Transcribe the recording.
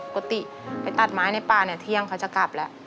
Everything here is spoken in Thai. ปกติไปตัดไม้ในป่าเนี่ยเที่ยงเขาจะกลับแล้ว